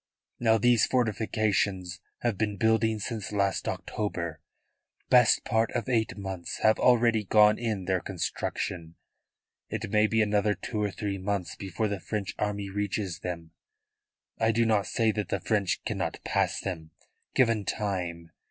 Now these fortifications have been building since last October. Best part of eight months have already gone in their construction. It may be another two or three months before the French army reaches them. I do not say that the French cannot pass them, given time.